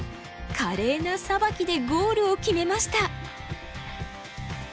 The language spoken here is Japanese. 華麗なさばきでゴールを決めました！